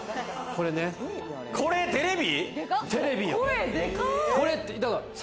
これテレビ？